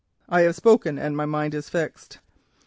I have spoken and my mind is fixed.